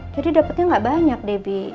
jadi dapetnya gak banyak debbie